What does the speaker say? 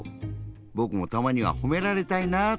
ぼくもたまにはほめられたいなあって。